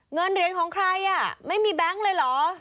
เงินเหรียญของใครไม่มีแบงค์เลยเหรอ